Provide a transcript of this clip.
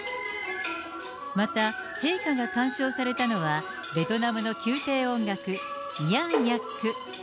また、陛下が観賞されたのは、ベトナムの宮廷音楽、ニャーニャック。